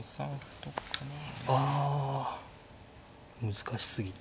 難しすぎて。